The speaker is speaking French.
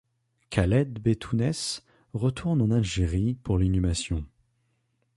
Khaled Bentounes retourne en Algérie pour l'inhumation.